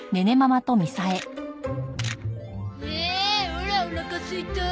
オラおなかすいた。